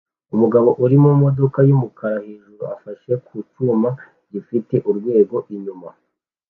Umugabo uri mumodoka yumukara hejuru afashe ku cyuma gifite urwego inyuma